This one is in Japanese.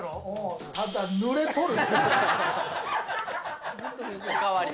ただ濡れとる。